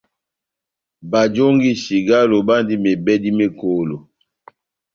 Bajongi cigalo bandi mebèdi mekolo.